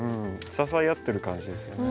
支え合ってる感じですよね。